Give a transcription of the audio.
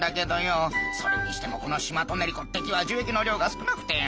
それにしてもこのシマトネリコって木は樹液の量が少なくてよ。